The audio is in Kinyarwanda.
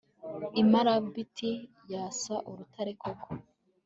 imarabiti yasa urutare koko